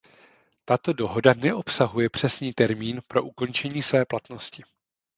Tato dohoda neobsahuje přesný termín pro ukončení své platnosti.